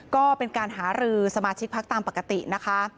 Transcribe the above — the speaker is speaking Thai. ก็เป็นการหารือสมาชิกพักตามปกตินะคะ